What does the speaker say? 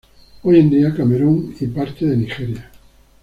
Hoy en día Camerún y parte de Nigeria.